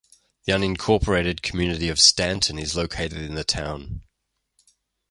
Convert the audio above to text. The unincorporated community of Stanton is located in the town.